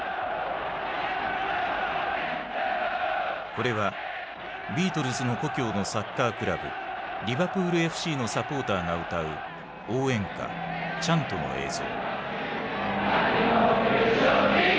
これはビートルズの故郷のサッカークラブリバプールＦＣのサポーターが歌う応援歌チャントの映像。